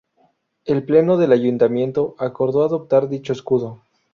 El Pleno del Ayuntamiento acordó adoptar dicho Escudo.